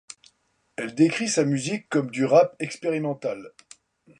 Elle décrit sa musique comme du rap expérimental.